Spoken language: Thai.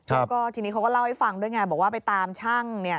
แล้วก็ทีนี้เขาก็เล่าให้ฟังด้วยไงบอกว่าไปตามช่างเนี่ย